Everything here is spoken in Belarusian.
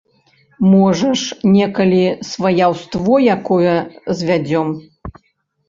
Можа ж, некалі сваяўство якое звядзём.